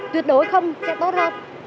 tuyệt đối không sẽ tốt hơn